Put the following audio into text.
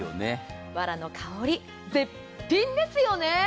わらの香り、絶品ですよね。